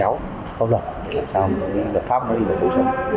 làm sao lập pháp mới được thu hút sống